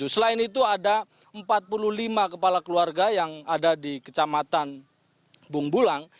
selain itu ada empat puluh lima kepala keluarga yang ada di kecamatan bung bulang